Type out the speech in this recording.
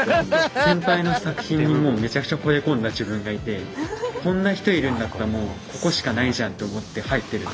先輩の作品にもうめちゃくちゃほれ込んだ自分がいてこんな人いるんだったらもうここしかないじゃんって思って入ってるんで。